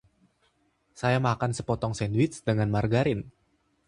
Saya makan sepotong sandwich dengan margarin.